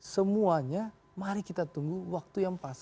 semuanya mari kita tunggu waktu yang pas